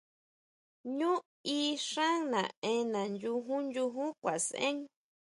Ñú í xán naʼena, nyujún, nyujún kuaʼsʼen.